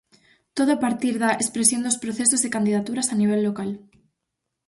Todo a partir da "expresión dos procesos e candidaturas a nivel local".